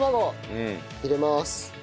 入れまーす。